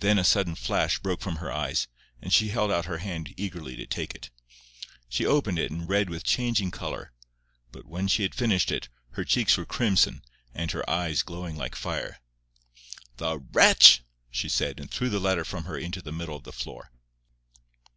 Then a sudden flash broke from her eyes, and she held out her hand eagerly to take it. She opened it and read it with changing colour, but when she had finished it, her cheeks were crimson, and her eyes glowing like fire. "The wretch," she said, and threw the letter from her into the middle of the floor.